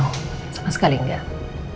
tidak sekali enggak